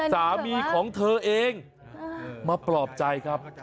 สามีของเธอเองมาปลอบใจครับ